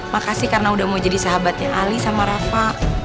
makasih karena udah mau jadi sahabatnya ali sama rafa